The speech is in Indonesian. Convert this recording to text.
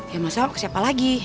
ya masa kesiapa lagi